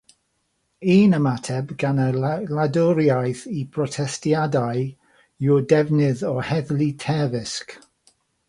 Un ymateb gan y wladwriaeth i brotestiadau yw'r defnydd o heddlu terfysg.